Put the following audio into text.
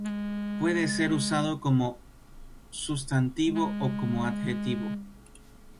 Puede ser usado como sustantivo o como adjetivo.